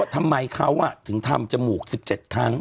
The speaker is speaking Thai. ทำไมเขาอ่ะถึงทำจมูกสิบเจ็ดครั้ง